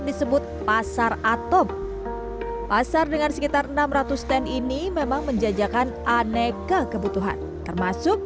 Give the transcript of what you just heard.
disebut pasar atom pasar dengan sekitar enam ratus stand ini memang menjajakan aneka kebutuhan termasuk